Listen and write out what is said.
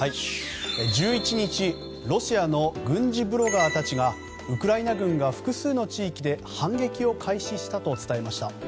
１１日ロシアの軍事ブロガーたちがウクライナ軍が複数の地域で反撃を開始したと伝えました。